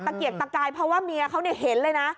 เกียกตะกายเพราะว่าเมียเขาเห็นเลยนะ